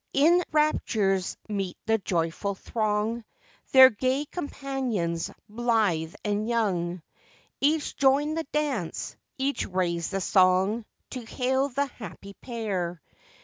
In raptures meet the joyful throng; Their gay companions, blithe and young, Each join the dance, each raise the song, To hail the happy pair.